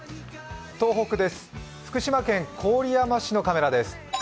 東北です、福島県郡山市のカメラです。